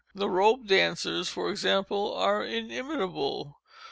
The rope dancers, for example, are inimitable.